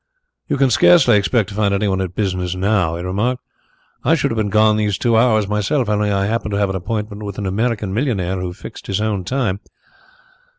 "You can scarcely expect to find anyone at business now," he remarked. "I should have been gone these two hours myself only I happened to have an appointment with an American millionaire who fixed his own time."